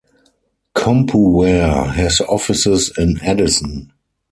Compuware has offices in Addison.